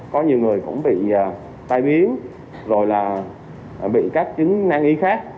có nhiều người cũng bị tai biến rồi là bị các chứng năng y khác